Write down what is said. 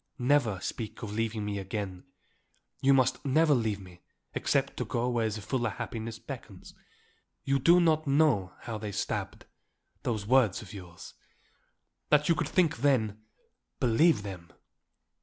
Never speak of leaving me again. You must never leave me except to go where a fuller happiness beckons. You do not know how they stabbed those words of yours. That you could think them, believe them!